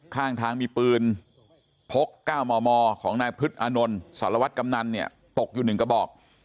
ข้างทางมีปืนพก๙มมของนายพฤษอานนท์สารวัตรกำนันเนี่ยตกอยู่๑กระบอก